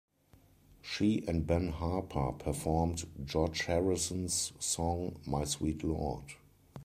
She and Ben Harper performed George Harrison's song My Sweet Lord.